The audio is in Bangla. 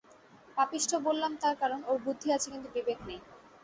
পাপিষ্ঠ বললাম তার কারণ, ওর বুদ্ধি আছে কিন্তু বিবেক নেই।